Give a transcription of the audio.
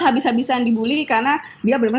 habis habisan dibully karena dia benar benar